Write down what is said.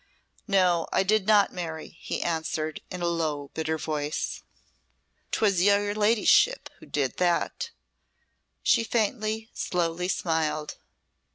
"No, I did not marry," he answered, in a low, bitter voice. "'Twas your ladyship who did that." She faintly, slowly smiled.